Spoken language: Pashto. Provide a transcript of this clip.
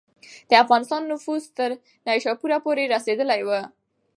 د افغانستان نفوذ تر نیشاپوره پورې رسېدلی و.